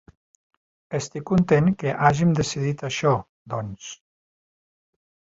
Estic content que hàgim decidit això, doncs.